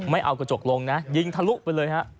ไม่เอากระจกลงนะยิงทะลุไปเลยฮะ